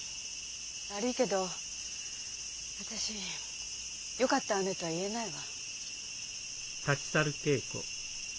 悪いけど私よかったわねとは言えないわ。